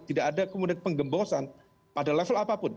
tidak ada kemudian penggembosan pada level apapun